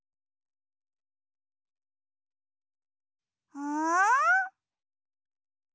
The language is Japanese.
うん？